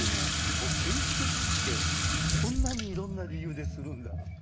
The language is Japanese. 献血ってこんなにいろんな理由でするんだ。